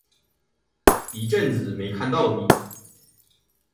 一阵子没看到妳